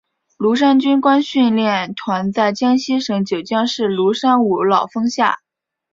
庐山军官训练团在江西省九江市庐山五老峰下。